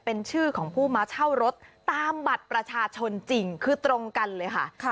เป็นชื่อของผู้มาเช่ารถตามบัตรประชาชนจริงคือตรงกันเลยค่ะ